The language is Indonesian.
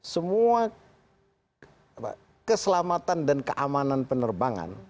semua keselamatan dan keamanan penerbangan